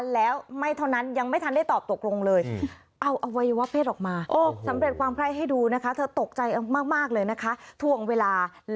แล้วก็ถ่ายคลิปเอาไว้ไปดูกันค่ะ